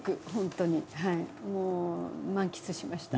もう満喫しました。